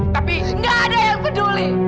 tapi nggak ada yang peduli